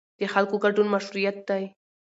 د خلکو ګډون مشروعیت دی